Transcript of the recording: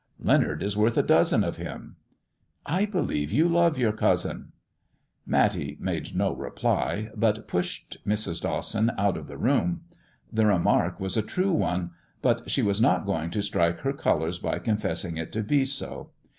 Leonard is worth a dozen of him." " I believe you love your cousin." Matty made no reply, but pushed Mrs. Dawson out of the room. The remark was a true one, but she was not going to strike her colours by confessing it to be so.